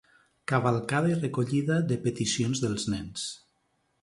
Cavalcada i recollida de peticions dels nens.